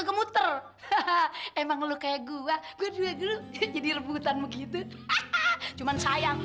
ga muat iy jangan segitu dong